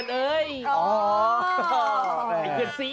ไอ้เพื่อนซี